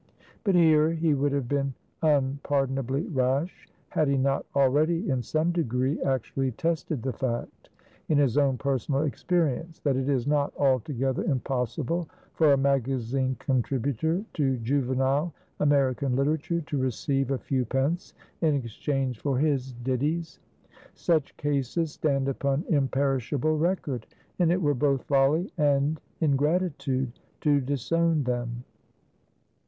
But here he would have been unpardonably rash, had he not already, in some degree, actually tested the fact, in his own personal experience, that it is not altogether impossible for a magazine contributor to Juvenile American literature to receive a few pence in exchange for his ditties. Such cases stand upon imperishable record, and it were both folly and ingratitude to disown them.